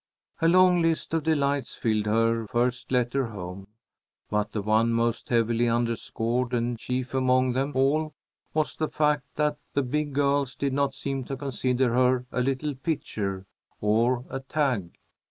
A long list of delights filled her first letter home, but the one most heavily underscored, and chief among them all, was the fact that the big girls did not seem to consider her a "little pitcher" or a "tag."